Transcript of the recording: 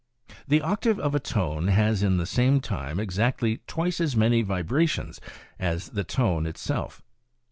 " The octave of a tone has in the same time exactly twice as many vibra tions as the tone itself.